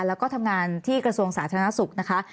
แล้วก็ทำงานที่กระทรวงสาธารณสุขนะคะ